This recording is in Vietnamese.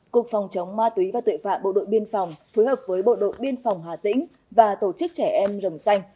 cục phòng chống ma túy và tội phạm bộ đội biên phòng phối hợp với bộ đội biên phòng hà tĩnh và tổ chức trẻ em rồng xanh